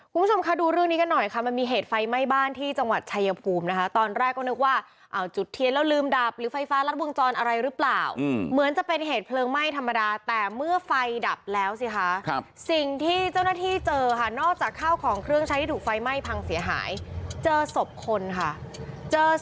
คุณผู้ชมคะดูเรื่องนี้กันหน่อยค่ะมันมีเหตุไฟไหม้บ้านที่จังหวัดชายภูมินะคะตอนแรกก็นึกว่าเอาจุดเทียนแล้วลืมดับหรือไฟฟ้ารัดวงจรอะไรหรือเปล่าเหมือนจะเป็นเหตุเพลิงไหม้ธรรมดาแต่เมื่อไฟดับแล้วสิคะครับสิ่งที่เจ้าหน้าที่เจอค่ะนอกจากข้าวของเครื่องใช้ที่ถูกไฟไหม้พังเสียหายเจอศพคนค่ะเจอส